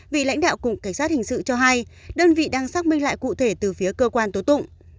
vị lãnh đạo cục cảnh sát hình sự cho hay đơn vị đang xác minh lại cụ thể từ phía cơ quan tố tụng